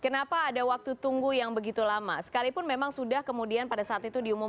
kenapa ada waktu tunggu yang begitu lama sekalipun memang sudah kemudian pada saat itu diumumkan